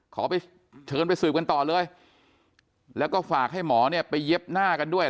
ขอไปเชิญไปสืบกันต่อเลยแล้วก็ฝากให้หมอเนี่ยไปเย็บหน้ากันด้วย